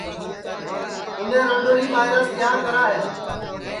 اُنے رانڈؔولی ٻائیراس ٻیاں کرا ہے